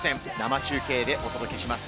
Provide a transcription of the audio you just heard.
生中継でお届けします。